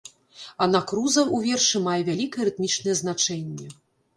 Анакруза ў вершы мае вялікае рытмічнае значэнне.